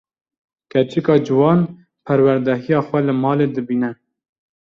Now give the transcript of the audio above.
Keçika ciwan, perwerdehiya xwe li malê dibîne